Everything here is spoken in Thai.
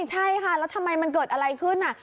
ใช่ค่ะแล้วทำไมมันเกิดอะไรขึ้น